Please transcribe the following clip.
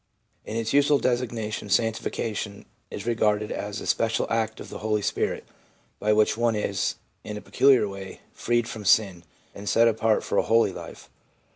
In its usual designation, sanctification is regarded as a special act of the Holy Spirit, by which one is, in a peculiar way, freed from sin, and set apart for a holy life.